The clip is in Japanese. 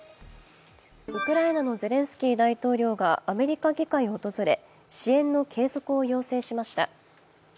ウクライナのゼレンスキー大統領がアメリカ議会を訪れ支援の継続を要請しました。